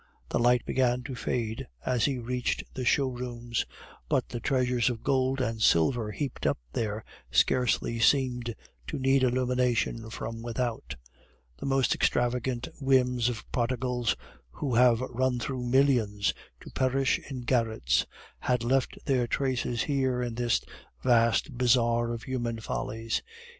The light began to fade as he reached the show rooms, but the treasures of gold and silver heaped up there scarcely seemed to need illumination from without. The most extravagant whims of prodigals, who have run through millions to perish in garrets, had left their traces here in this vast bazar of human follies.